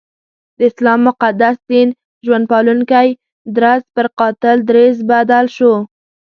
د اسلام مقدس دین ژوند پالونکی درځ پر قاتل دریځ بدل شو.